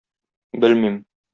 Белмим.